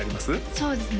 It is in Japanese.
そうですね